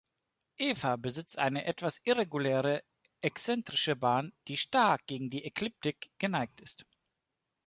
Eva besitzt eine etwas irreguläre, exzentrische Bahn, die stark gegen die Ekliptik geneigt ist.